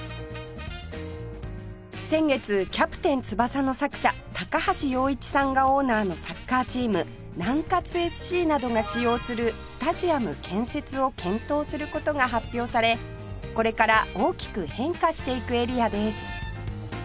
先月『キャプテン翼』の作者高橋陽一さんがオーナーのサッカーチーム南 ＳＣ などが使用するスタジアム建設を検討する事が発表されこれから大きく変化していくエリアです